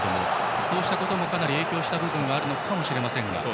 そうしたこともかなり影響した部分があるのかもしれませんが。